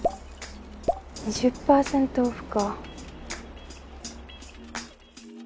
２０％オフか。